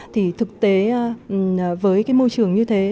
thì thực tế với cái môi trường như thế